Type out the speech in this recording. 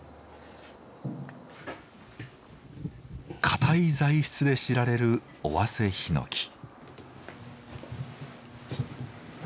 硬い材質で知られる尾鷲ヒノキ。